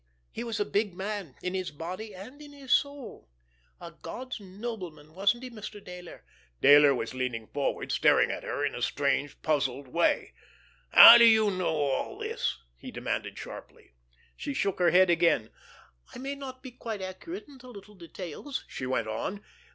He was a big man—in his body and in his soul—a God's nobleman, wasn't he, Mr. Dayler?" Dayler was leaning forward, staring at her in a strange, puzzled way. "How do you know all this?" he demanded sharply. She shook her head again. "I may not be quite accurate in the little details," she went on.